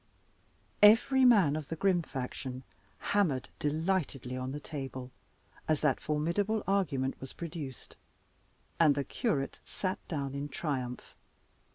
Every man of the grim faction hammered delightedly on the table, as that formidable argument was produced; and the curate sat down in triumph.